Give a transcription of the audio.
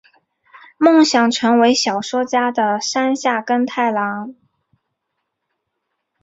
梦想成为小说家的山下耕太郎！